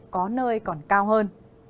có nơi còn cao hơn